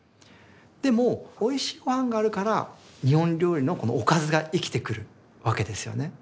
でもおいしいごはんがあるから日本料理のおかずが生きてくるわけですよね。